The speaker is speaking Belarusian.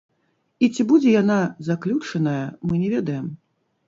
І ці будзе яна заключаная, мы не ведаем.